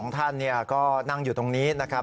๒ท่านก็นั่งอยู่ตรงนี้นะครับ